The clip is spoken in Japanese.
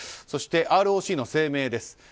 そして、ＲＯＣの声明です。